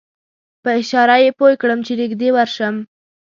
په اشاره یې پوی کړم چې نږدې ورشم.